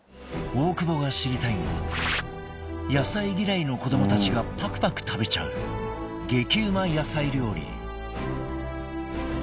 大久保が知りたいのは野菜嫌いの子どもたちがパクパク食べちゃう激うま野菜料理